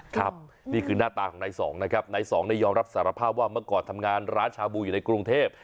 ครับนี่คือหน้าตาของนายสองนะครับนายสองยอมรับสารภาพว่าเมื่อก่อนทำงานร้านชาบูอยู่ในกรุงเทพ